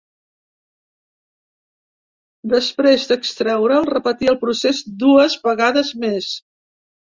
Després d’extreure’l, repetí el procés dues vegades més.